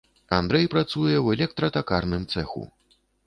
Андрэй працуе ў электра-такарным цэху.